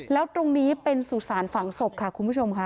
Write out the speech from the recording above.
แล้วตรงนี้เป็นสุสานฝังศพค่ะคุณผู้ชมค่ะ